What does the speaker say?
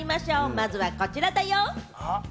まずはこちらだよ！